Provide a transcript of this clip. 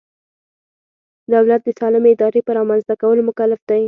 دولت د سالمې ادارې په رامنځته کولو مکلف دی.